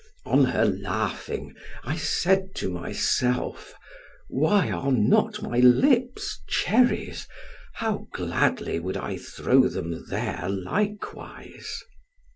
On her laughing, I said to myself, "Why are not my lips cherries? How gladly would I throw them there likewise."